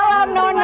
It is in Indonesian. selamat malam nono